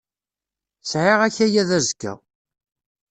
Sɛiɣ akayad azekka.